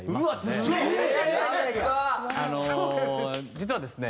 実はですね。